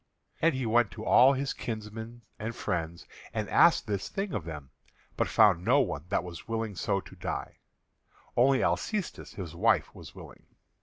And he went to all his kinsmen and friends and asked this thing of them, but found no one that was willing so to die; only Alcestis his wife was willing.